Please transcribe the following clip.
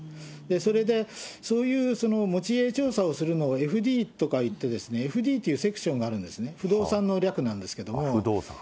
それでそういう持ち家調査をするのをＦＤとか言って、ＦＤというセクションがあるんですね、不動産の略なんですけども。